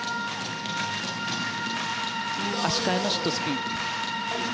足換えのシットスピン。